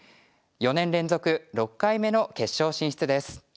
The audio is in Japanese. ４年連続６回目の決勝進出です。